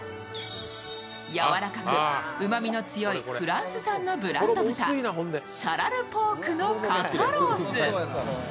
やわらかくうまみの強いフランス産のブランド豚、シャラルポークの肩ロース。